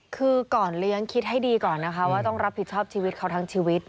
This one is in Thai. คือก่อนเลี้ยงคิดให้ดีก่อนนะคะว่าต้องรับผิดชอบชีวิตเขาทั้งชีวิต